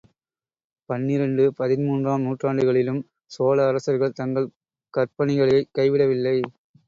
பன்னிரண்டு, பதின்மூன்றாம் நூற்றாண்டுகளிலும் சோழ அரசர்கள் தங்கள் கற்பணிகளைக் கைவிட வில்லை.